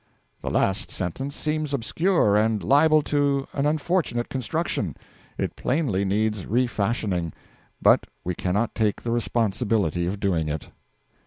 The last sentence seems obscure, and liable to an unfortunate construction. It plainly needs refashioning, but we cannot take the responsibility of doing it.